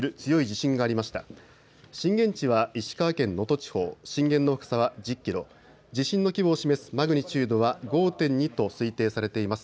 震源地は石川県能登地方、震源の深さ１０キロ、地震の規模を示すマグニチュードは５．２と推定されています。